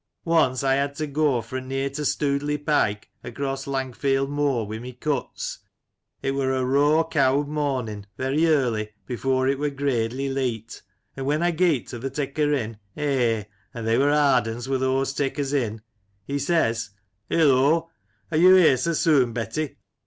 Once I had to go fro near to Stoodley Pike, across Langfield Moor, wi' my cuts. It wur a raw cowd morning, very early, before it wur gradely leet. An' when I geet to th' taker in — eh ! an' they wur hard uns wur thoose takers in !— ^he says * Hillo ! are you here so soon, Betty